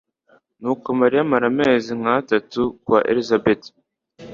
nuko mariya amara amezi nk atatu kwa elizabeti